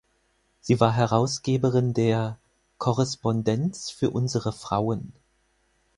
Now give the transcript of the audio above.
Sie war Herausgeberin der "Korrespondenz für unsere Frauen".